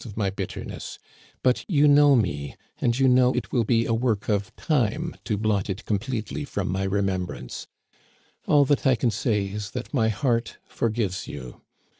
of my bitterness ; but you know me, and you know it will be a work of time to blot it completely from my re membrance. All that I can say is that my heart forgives you.